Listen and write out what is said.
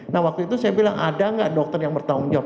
nah waktu itu saya bilang ada nggak dokter yang bertanggung jawab